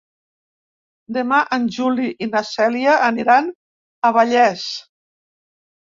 Demà en Juli i na Cèlia aniran a Vallés.